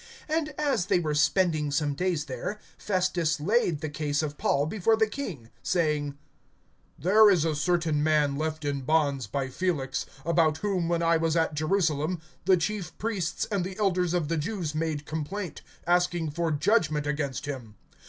(14)And as they were spending some days there, Festus laid the case of Paul before the king, saying: There is a certain man left in bonds by Felix; (15)about whom, when I was at Jerusalem, the chief priests and the elders of the Jews made complaint, asking for judgment against him.